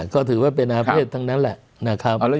ก็ถือว่าเป็นอาเฟศทั้งนั้นแหละ